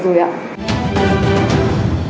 thưa quý vị và các bạn